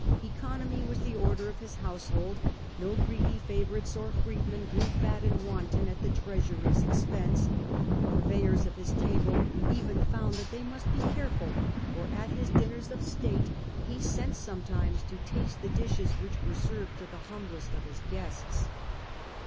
Economy was the order of his household ; no greedy favourites or freed mcn grew fat and wanton at the treasur/s expense ; the purveyors of his table even found that they must be careful, for at his dinners of state he sent sometimes to taste the dishes which were served to the humblest of his guests.